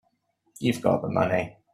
You've got the money.